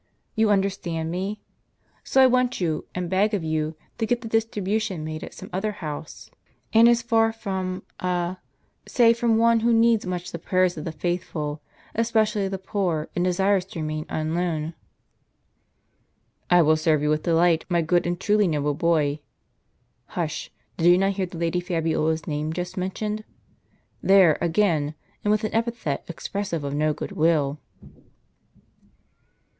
You understand me ? So I want you, and beg of you, to get the distribution made at some other house ; and as from a— say from one who needs much the prayers of the faithful, especially the poor, and desires to remain unknown." " I will serve you with delight, my good and truly noble boy ! Hush ! did you not hear the Lady Fabiola's name just mentioned ? There again, and with an epithet expressive of no good will."